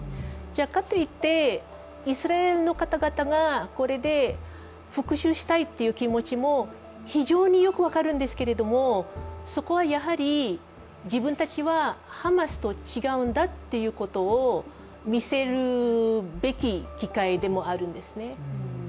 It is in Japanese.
かといって、イスラエルの方々がこれで復しゅうしたいって気持ちも非常によく分かるんですけどもそこはやはり自分たちはハマスと違うんだってことを見せるべき機会でもあるんですね。